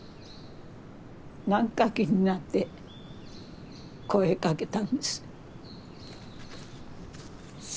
何か気になって声かけたんです。